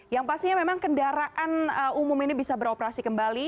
yang pastinya memang kendaraan umum ini bisa beroperasi kembali